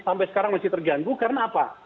sampai sekarang masih terganggu karena apa